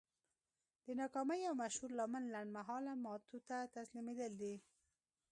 د ناکامۍ يو مشهور لامل لنډ مهاله ماتو ته تسليمېدل دي.